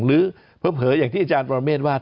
เผลออย่างที่อาจารย์ปรเมฆว่า